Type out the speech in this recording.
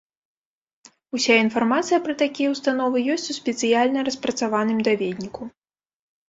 Уся інфармацыя пра такія ўстановы ёсць у спецыяльна распрацаваным даведніку.